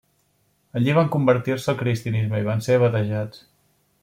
Allí van convertir-se al cristianisme i van ser batejats.